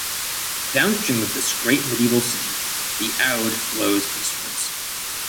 Downstream of this great medieval city, the Aude flows eastwards.